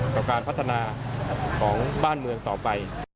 กับการพัฒนาของบ้านเมืองต่อไป